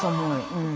うん。